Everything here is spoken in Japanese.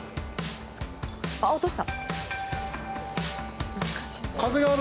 おっと、落とした。